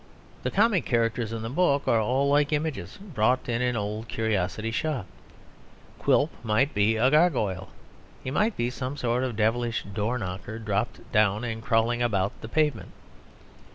The comic characters in the book are all like images bought in an old curiosity shop. Quilp might be a gargoyle. He might be some sort of devilish door knocker, dropped down and crawling about the pavement.